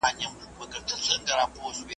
لاره نه را معلومیږي سرګردان یم .